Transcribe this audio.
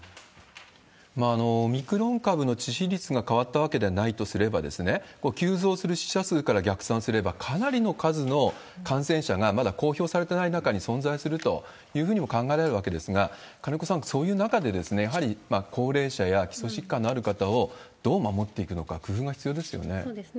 オミクロン株の致死率が変わったわけではないとすれば、急増する死者数から逆算すれば、かなりの数の感染者がまだ公表されてない中に存在するというふうにも考えられるわけですが、金子さん、そういう中で、やはり高齢者や、基礎疾患のある方をどう守っていくのか、工夫が必要ですよね。